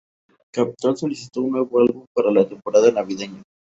Capitol solicitó un nuevo álbum para la temporada navideña.